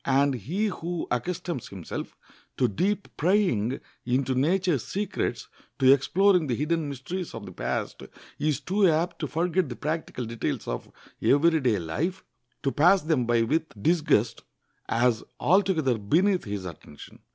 And he who accustoms himself to deep prying into nature's secrets, to exploring the hidden mysteries of the past, is too apt to forget the practical details of every day life, to pass them by with disgust, as altogether beneath his attention.